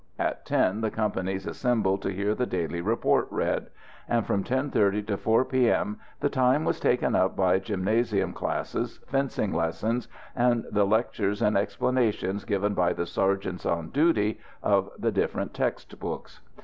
At 10 the companies assembled to hear the daily "report" read; and from 10.30 to 4 P.M. the time was taken up by gymnasium classes, fencing lessons, and the lectures and explanations given by the sergeants on duty, of the different text books.